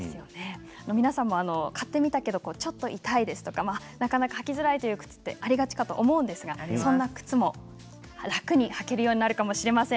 皆さんも買ってみたけれどちょっと痛いとかなかなか履きづらい靴ってありがちかと思うんですけれどそんな靴も楽に履けるようになるかもしれません。